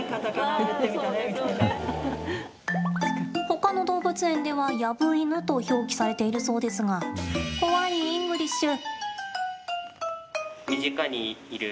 他の動物園ではヤブイヌと表記されているそうですがＷｈｙイングリッシュ？